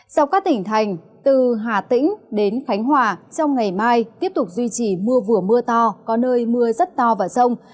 sau các tỉnh thành từ hà tĩnh đến khánh hòa trong ngày mai tiếp tục duy trì mưa vừa mưa to có nơi mưa rất to và rông